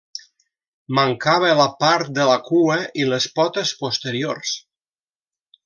Mancava la part de la cua i les potes posteriors.